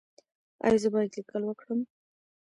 ایا زه باید لیکل وکړم؟